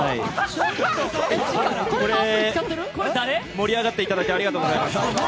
盛り上がっていただいてありがとうございます。